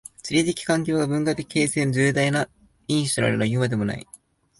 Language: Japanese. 地理的環境が文化形成の重大な因子となるはいうまでもない。